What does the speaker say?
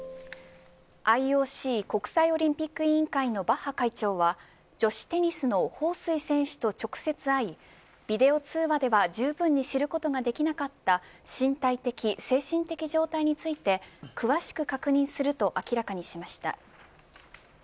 ＩＯＣ国際オリンピック委員会のバッハ会長は女子テニスの彭帥選手と直接会いビデオ通話ではじゅうぶんに知ることができなかった身体的、精神的状態について詳しく確認すると明らかにしました。